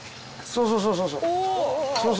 そうそうそうそうそう！